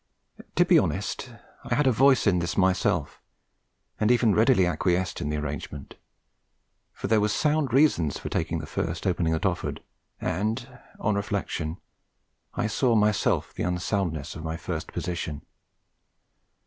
To be honest, I had a voice in this myself, and even readily acquiesced in the arrangement; for there were sound reasons for taking the first opening that offered; and on reflection I saw myself the unsoundness of my first position.